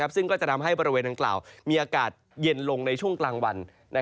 ซึ่งก็จะทำให้บริเวณดังกล่าวมีอากาศเย็นลงในช่วงกลางวัน